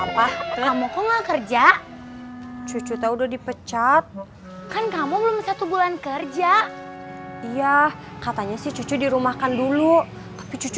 perlu dipecat kan kamu belum satu bulan kerja iya katanya sih cucu dirumahkan dulu tapi cucu